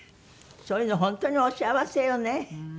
そういうの本当にお幸せよね。